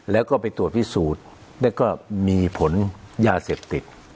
แล้วก็ไปตรวจพิสูจน์แล้วก็มีผลยาเสพติด